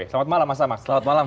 selamat malam mas selamat malam mas